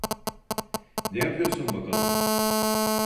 Ne yapıyorsun bakalım?